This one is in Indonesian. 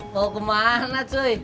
kau kemana cuy